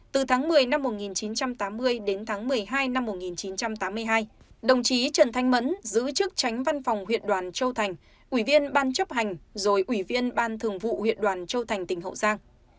từ tháng một mươi năm một nghìn chín trăm tám mươi đến tháng một mươi hai năm một nghìn chín trăm tám mươi hai đồng chí trần thanh mẫn giữ chức tránh văn phòng huyện đoàn châu thành ủy viên ban chấp hành rồi ủy viên ban thường vụ huyện đoàn châu thành tỉnh hậu giang